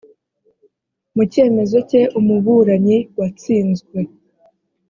mu cyemezo cye umuburanyi watsinzwe